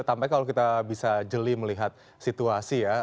tampaknya kalau kita bisa jeli melihat situasi ya